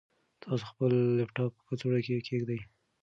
تاسو خپل لپټاپ په کڅوړه کې کېږدئ.